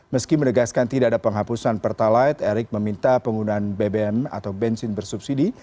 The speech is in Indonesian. meski menegaskan tidak ada penghapusan pertalite erick meminta penggunaan bbm atau bensin bersubsidi